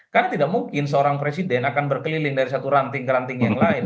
karena tidak mungkin seorang presiden akan berkeliling dari satu ranting ke ranting yang lain